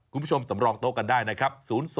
คุณผู้ชมสำรองโต๊ะกันได้นะครับ